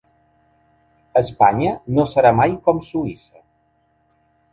Espanya no serà mai com Suïssa.